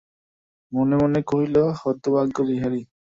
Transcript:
মনে মনে কহিল, হতভাগ্য বিহারী।